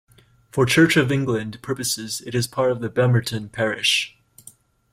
For Church of England purposes it is part of Bemerton parish.